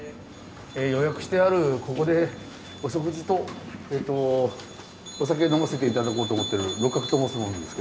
予約してあるここでお食事とお酒呑ませて頂こうと思ってる六角と申す者ですけども。